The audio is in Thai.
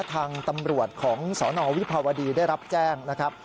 ทางตำรวจของสนวิภาวดีได้รับแจ้งนะครับ